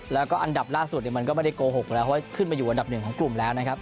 แล้วก็อันดับล่าสุดมันก็ไม่ได้โกหกแล้วเพราะว่าขึ้นมาอยู่อันดับหนึ่งของกลุ่มแล้วนะครับ